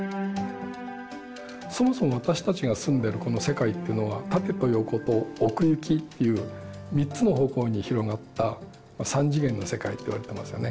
そもそも私たちが住んでるこの世界っていうのは縦と横と奥行きっていう３つの方向に広がった３次元の世界っていわれてますよね。